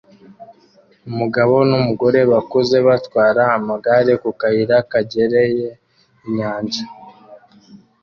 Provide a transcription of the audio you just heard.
Umugabo n'umugore bakuze batwara amagare ku kayira kegereye inyanja